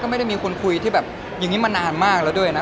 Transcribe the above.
ไม่ได้มีคนคุยที่แบบอย่างนี้มานานมากแล้วด้วยนะ